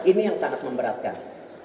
ini yang sangat memberatkan